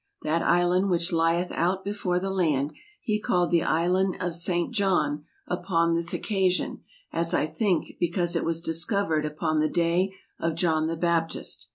That Island which lieth out before the land, he called the Island of S. Iohn vpon this occasion, as I thinke, because it was dis couered vpon the day of Iohn the Baptist.